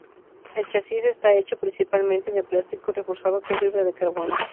El chasis está hecho principalmente de plástico reforzado con fibra de carbono.